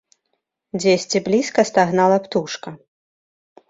Дзесьці блізка стагнала птушка.